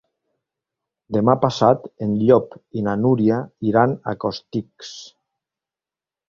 Demà passat en Llop i na Núria iran a Costitx.